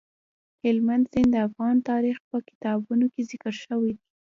هلمند سیند د افغان تاریخ په کتابونو کې ذکر شوی دی.